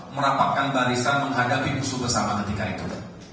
merapatkan barisan menghadapi musuh bersama ketika itu